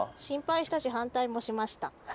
心配したし反対もしました。